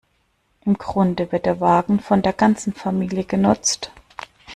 Im Grunde wird der Wagen von der ganzen Familie genutzt.